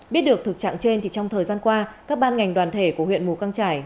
biết được thực trạng trên thì trong thời gian qua các ban ngành đoàn thể của huyện mù căng trải